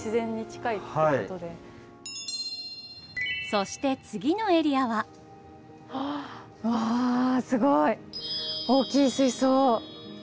そして次のエリアは。わすごい大きい水槽！